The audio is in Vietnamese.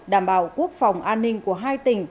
đảm bảo quốc phòng an ninh của hai tỉnh